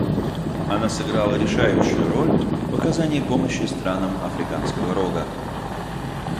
Она сыграла решающую роль в оказании помощи странам Африканского Рога.